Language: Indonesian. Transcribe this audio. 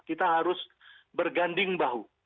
kita harus berganding bahu